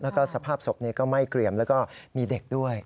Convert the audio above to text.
แล้วก็สภาพศพก็ไหม้เกลี่ยมแล้วก็มีเด็กด้วย